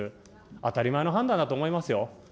当たり前の判断だと思いますよ。